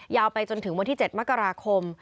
ไปจนถึงวันที่๗มกราคม